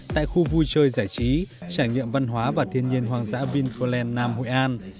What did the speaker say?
tại khu vui chơi giải trí trải nghiệm văn hóa và thiên nhiên hoàng dã vinferland nam hội an